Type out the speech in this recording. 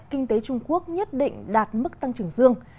kinh tế trung quốc nhất định đạt mức tăng trưởng dương